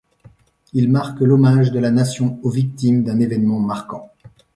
Il marque l'hommage de la Nation aux victimes d'un événement marquant.